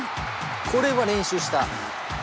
これは練習した。